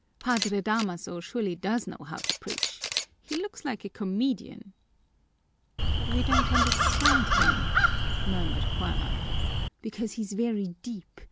"Padre Damaso surely does know how to preach! He looks like a comedian!" "But we don't understand him," murmured Juana. "Because he's very deep!